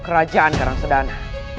kerajaan terang sedana